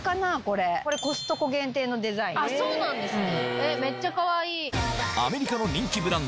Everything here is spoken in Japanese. あっそうなんですね。